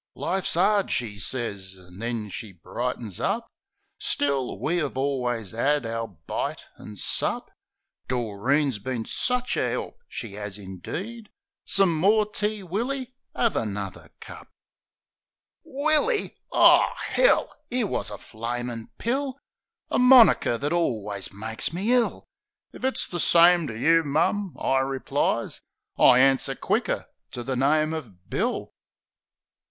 "Life's 'ard," she sez, an' then she brightens up. "Still, we 'ave alwus 'ad our bite and sup. Doreen's been sich a help; she 'as indeed. Some more tea, Willy? 'Ave another cup." Willy ! O 'ell ! 'Ere wus a flamin' pill ! A moniker that alwus makes me ill. "If it's the same to you, mum," I replies "I answer quicker to the name of Bill."